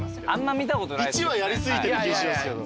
１はやり過ぎてる気しますけど。